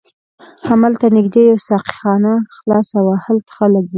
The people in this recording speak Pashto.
هملته نږدې یوه ساقي خانه خلاصه وه، هلته خلک و.